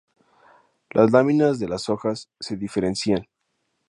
Las láminas de las hojas se diferencian.